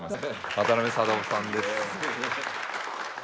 渡辺貞夫さんです。